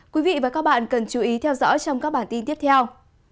quý vị và các bạn cần chú ý theo dõi trong các bản tin tiếp theo